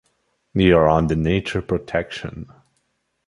They are under nature protection.